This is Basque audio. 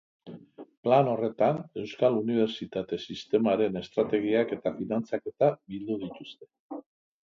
Plan horretan euskal unibertsitate sistemaren estrategiak eta finantzaketa bildu dituzte.